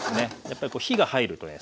やっぱり火が入るとね